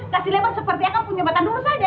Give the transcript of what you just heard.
kasih lebar seperti akan pun jembatan dulu saja